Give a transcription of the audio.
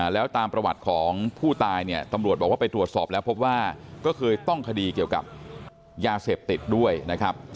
แล้วตามประวัติของผู้ตายเนี่ยตำรวจบอกว่าไปตรวจสอบแล้วพบว่าก็เคยต้องคดีเกี่ยวกับยาเสพติดด้วยนะครับ